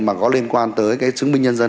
mà có liên quan tới cái chứng minh nhân dân